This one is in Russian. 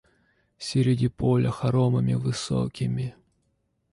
Середи поля хоромами высокими